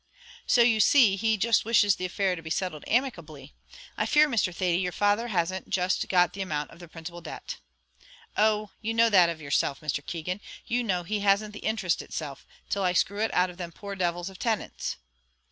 "So, you see, he just wishes the affair to be settled amicably. I fear, Mr. Thady, your father hasn't just got the amount of the principal debt." "Oh! you know that of yourself, Mr. Keegan; you know he hasn't the interest itself, till I screw it out of them poor devils of tenants."